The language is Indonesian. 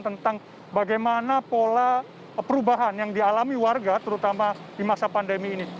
tentang bagaimana pola perubahan yang dialami warga terutama di masa pandemi ini